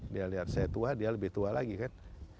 dia lihat saya tua dia lebih tua lagi kan